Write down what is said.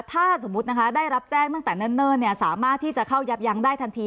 ถ้าสมมุตินะคะได้รับแจ้งตั้งแต่เนิ่นสามารถที่จะเข้ายับยั้งได้ทันที